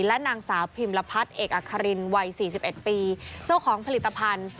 และนางสาวพิมรพัฒน์เอกอัครินวัย๔๑ปีเจ้าของผลิตภัณฑ์